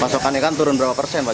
pasokan ikan turun berapa persen pak